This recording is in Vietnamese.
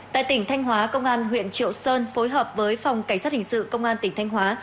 tại tỉnh thanh hóa công an huyện triệu sơn phối hợp với phòng cảnh sát hình sự công an tỉnh thanh hóa